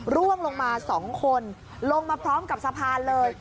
ร่วงลงมา๒คนลงมาพร้อมกับสะพานเลย